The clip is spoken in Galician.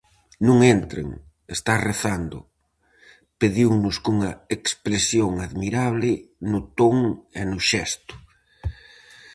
-Non entren, está rezando! -pediunos cunha expresión admirable no ton e no xesto.